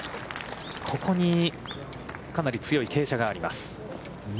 ここにかなり強い傾斜があります。